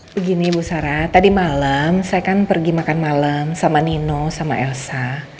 begini bu sarah tadi malam saya kan pergi makan malam sama nino sama elsa